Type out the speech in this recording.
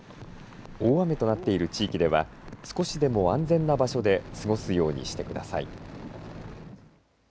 大雨となっている地域では少しでも安全な場所で過ごすようにしてください。